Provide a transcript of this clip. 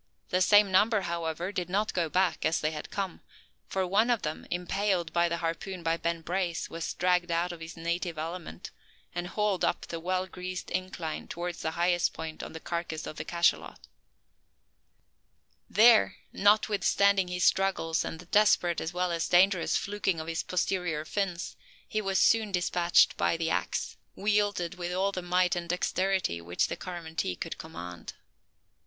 The same number, however, did not go back as they had come; for one of them, impaled by the harpoon of Ben Brace, was dragged out of his native element, and hauled up the well greased incline towards the highest point on the carcass of the cachalot. There, notwithstanding his struggles and the desperate as well as dangerous fluking of his posterior fins, he was soon despatched by the axe, wielded with all the might and dexterity which the Coromantee could command.